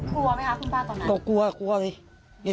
กลัวไหมคะคุณป้าตอนนั้นก็กลัวกลัวไง